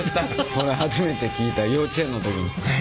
これ初めて聴いた幼稚園の時に。